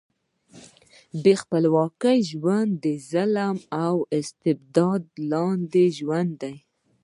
بې خپلواکۍ ژوند د ظلم او استبداد لاندې ژوند دی.